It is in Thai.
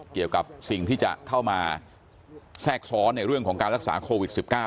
เกี่ยวกับสิ่งที่จะเข้ามาแทรกซ้อนในเรื่องของการรักษาโควิด๑๙